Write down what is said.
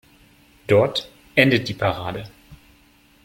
Dort endet die Parade.